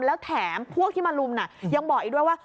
แล้วแถมพวกที่มาลุมยังบอกอีกด้วยว่า